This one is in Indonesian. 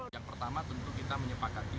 yang pertama tentu kita menyepakati